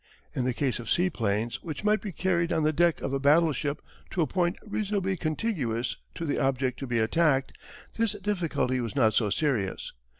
In the case of seaplanes which might be carried on the deck of a battleship to a point reasonably contiguous to the object to be attacked, this difficulty was not so serious.